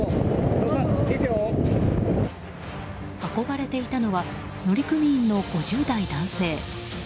運ばれていたのは乗組員の５０代男性。